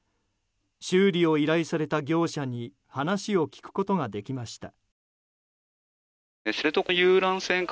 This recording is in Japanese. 修理を依頼された業者に話を聞くことができました。